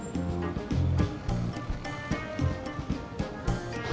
tunggu aja kita